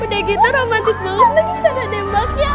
udah gitu romantis banget lagi cara demaknya